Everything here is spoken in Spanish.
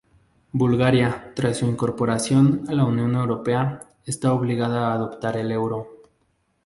Bulgaria, tras su incorporación a la Unión Europea, está obligada a adoptar el euro.